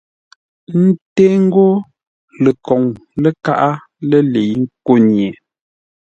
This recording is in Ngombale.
Ńté ńgó ləkoŋ-lə́kaʼá lə́ lə̌i nkô nye.